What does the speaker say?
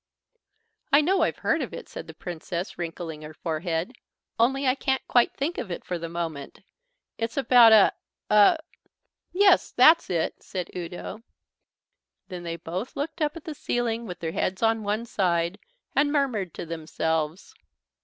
"I know I've heard of it," said the Princess, wrinkling her forehead, "only I can't quite think of it for the moment. It's about a a " "Yes, that's it," said Udo. Then they both looked up at the ceiling with their heads on one side and murmured to themselves.